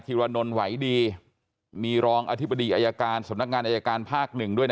รนนท์ไหวดีมีรองอธิบดีอายการสำนักงานอายการภาคหนึ่งด้วยนะ